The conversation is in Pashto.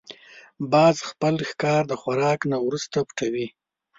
باز خپل ښکار د خوراک نه وروسته پټوي